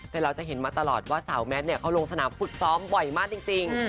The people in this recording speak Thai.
แต่เราจะเห็นมาตลอดว่าสาวแมทเขาลงสนามฝึกซ้อมบ่อยมากจริง